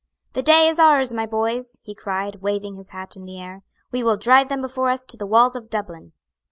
"The day is ours, my boys," he cried, waving his hat in the air. "We will drive them before us to the walls of Dublin."